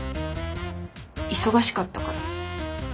忙しかったから。